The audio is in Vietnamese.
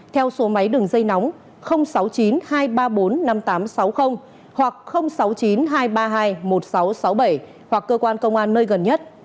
theo số máy đường dây nóng sáu mươi chín hai trăm ba mươi bốn năm nghìn tám trăm sáu mươi hoặc sáu mươi chín hai trăm ba mươi hai một nghìn sáu trăm sáu mươi bảy hoặc cơ quan công an nơi gần nhất